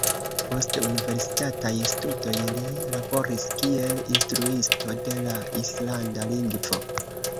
Post universitataj studoj li laboris kiel instruisto de la islanda lingvo.